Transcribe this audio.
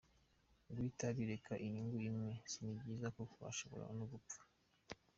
Guhita abireka ingunga imwe si byiza kuko ashobora no gupfa.